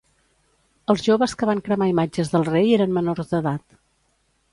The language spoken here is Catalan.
Els joves que van cremar imatges del rei eren menors d'edat